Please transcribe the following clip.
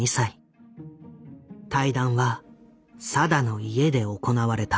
対談は定の家で行われた。